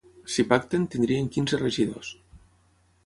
Si pacten, tindrien quinze regidors.